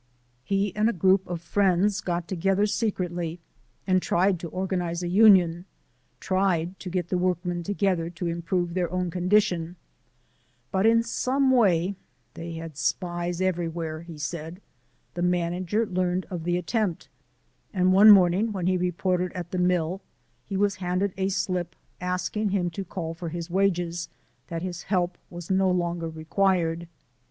He and a group of friends got together secretly and tried to organize a union, tried to get the workmen together to improve their own condition; but in some way ("they had spies everywhere," he said) the manager learned of the attempt and one morning when he reported at the mill he was handed a slip asking him to call for his wages, that his help was no longer required.